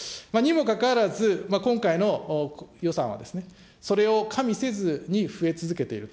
にもかかわらず、今回の予算はそれを加味せずに増え続けていると。